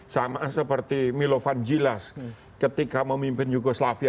sama seperti milovan jilas ketika memimpin yugoslavia